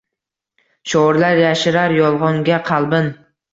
Shoirlar yashirar yolgʻonga qalbin